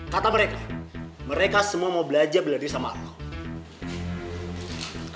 kata mereka mereka semua mau belajar belajar di samarang